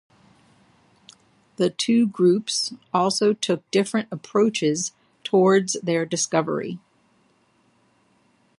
The two groups also took different approaches towards their discovery.